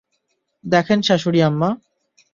দেখেন শাশুড়ি আম্মা।